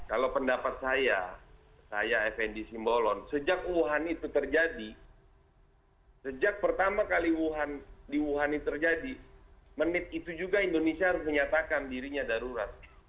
kalau pendapat saya saya fnd simbolon sejak wuhan itu terjadi sejak pertama kali di wuhan ini terjadi menit itu juga indonesia harus menyatakan dirinya darurat